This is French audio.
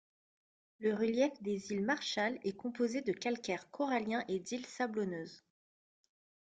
Le relief des Îles Marshall est composé de calcaire corallien et d’îles sablonneuses.